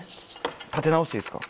立て直していいですか？